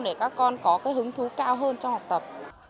để các con có cái hứng thú cao hơn trong học tập